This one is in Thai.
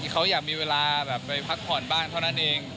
เขาอยากมีเวลาแบบไปพักผ่อนบ้างเท่านั้นเอง